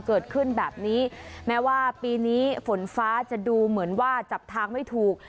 เกิดขึ้นแบบนี้แม้ว่าปีนี้ฝนฟ้าจะดูเหมือนว่าจับทางไม่ถูก